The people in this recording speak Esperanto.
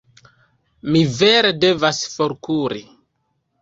Mi vere devas forkuri.